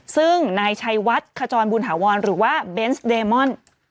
ซึ่งนายชัยวัดขจรบุญถาวรหรือว่าเบนส์เดมอน